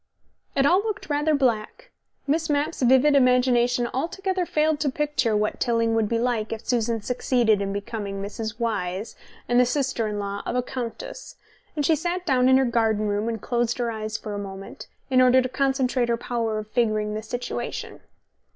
... It all looked rather black. Miss Mapp's vivid imagination altogether failed to picture what Tilling would be like if Susan succeeded in becoming Mrs. Wyse and the sister in law of a countess, and she sat down in her garden room and closed her eyes for a moment, in order to concentrate her power of figuring the situation.